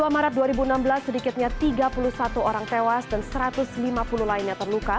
dua maret dua ribu enam belas sedikitnya tiga puluh satu orang tewas dan satu ratus lima puluh lainnya terluka